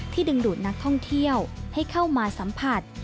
ดึงดูดนักท่องเที่ยวให้เข้ามาสัมผัส